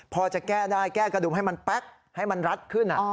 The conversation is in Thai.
พอจะแก้ได้แก้กระดุมให้มันแป๊กให้มันรัดขึ้น